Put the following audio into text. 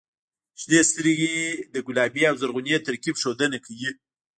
• شنې سترګې د ګلابي او زرغوني ترکیب ښودنه کوي.